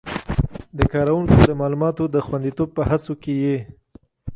د کاروونکو د معلوماتو د خوندیتوب په هڅو کې یې